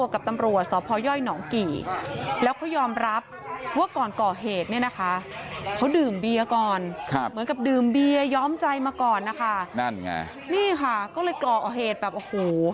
กับตำรวจสภพย่อยหนองกี่แล้วเขายอมรับว่าก่อนก่อเหตุเนี่ยนะคะเขาดื่มเบียก่อนเหมือนกับดื่มเบียย้อมใจมาก่อนนะคะนี่ค่ะก็เลยก่อเหตุแบบโอ้โห